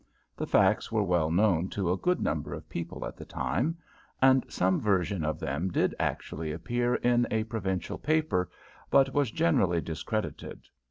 The facts were well known to a good number of people at the time, and some version of them did actually appear in a provincial paper, but was generally discredited.